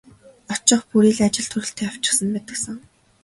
Очих бүрий л ажил төрөлтэй явчихсан байдаг сан.